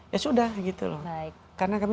ya sudah gitu loh karena kami